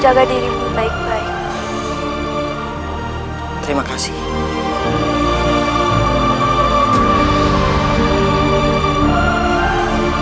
jaga dirimu baik baik